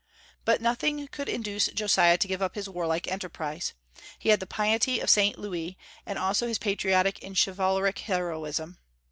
But nothing could induce Josiah to give up his warlike enterprise. He had the piety of Saint Louis, and also his patriotic and chivalric heroism.